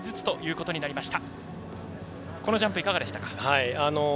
このジャンプ、いかがでしたか？